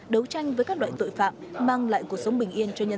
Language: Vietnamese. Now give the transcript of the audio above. đấu tranh với các loại tội phạm mang lại cuộc sống bình yên cho nhân dân